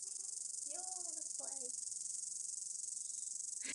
Vyžádá si to ještě další náklady?